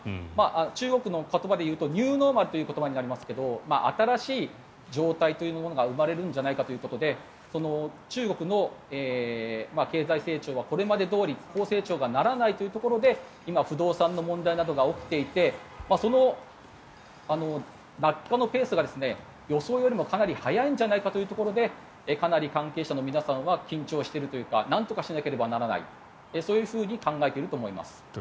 中国の言葉でいうとニューノーマルという言葉になりますが新しい常態というものが生まれるんじゃないかということで中国の経済成長はこれまでどおり高成長とはならないということで今、不動産の問題などが起きていてその落下のペースが予想よりもかなり速いんじゃないかというところでかなり関係者の皆さんは緊張しているというかなんとかしなければならないそういうふうに考えていると思います。